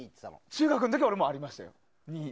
中学の時は俺も２はありましたよ？